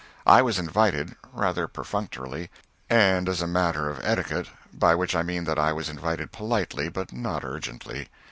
I was invited, rather perfunctorily, and as a matter of etiquette by which I mean that I was invited politely, but not urgently.